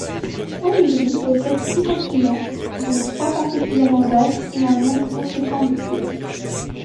Olydri possède six continents dont trois particulièrement vastes et un nombre conséquent d'iles.